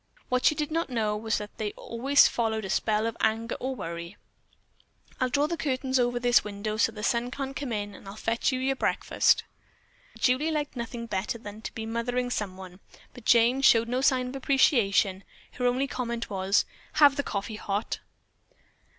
What she did not know was that they always followed a spell of anger or of worry. "I'll draw the curtains over this window so the sun can't come in and I'll fetch you your breakfast." Julie liked nothing better than to be mothering someone, but Jane showed no sign of appreciation. Her only comment was, "Have the coffee hot."